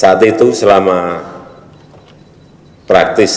dan saat itu selama praktis